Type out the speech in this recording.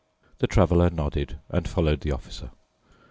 The Traveler nodded and followed the Officer.